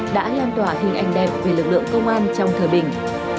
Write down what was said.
đã lan tỏa hình ảnh đẹp về lực lượng công an trong thời bình